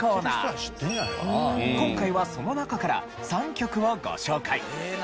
今回はその中から３曲をご紹介。